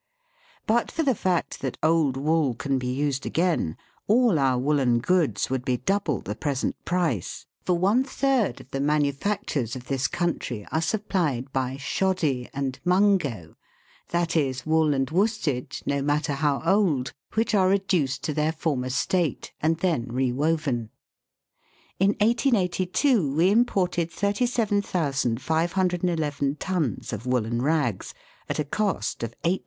But for the fact that old wool can be used again, all our woollen goods would be double the present price, for one third of the manufactures of this country are supplied by " shoddy "and " mungo," that is, wool and worsted, no matter how old, which are reduced to their former state, and then re woven. In 1882 we imported 37,511 tons of woollen rags, at a cost of ,820,616.